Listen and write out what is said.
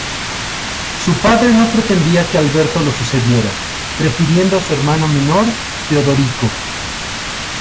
Su padre no pretendía que Alberto lo sucediera, prefiriendo a su hermano menor, Teodorico.